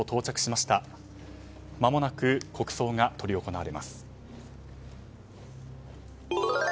まもなく国葬が執り行われます。